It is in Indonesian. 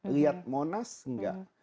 lihat monas tidak